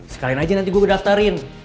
sekalian aja nanti gue daftarin